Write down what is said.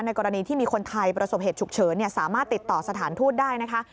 กรณีที่มีคนไทยประสบเหตุฉุกเฉินสามารถติดต่อสถานทูตได้นะคะ